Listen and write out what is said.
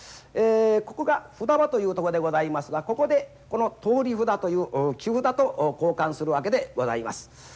ここが札場というとこでございますがここでこの通り札という木札と交換するわけでございます。